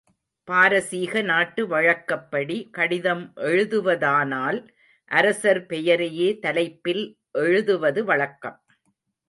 பாரசீக நாட்டு வழக்கப்படி கடிதம் எழுதுவதானால், அரசர் பெயரையே தலைப்பில் எழுதுவது வழக்கம்.